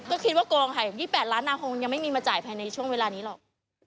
ก็คิดว่าโกงค่ะ๒๘ล้านนาคงยังไม่มีมาจ่ายภายในช่วงเวลานี้หรอก